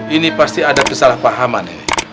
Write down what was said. ini pasti ada kesalahpahaman